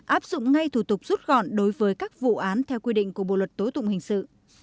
áp dụng ngay thủ tục rút gọn đối với các vụ án theo quy định của bộ luật tố tụng hình sự